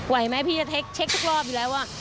ไหวไหมอ้าวพี่จะเช็คทุกรอบอยู่แล้ว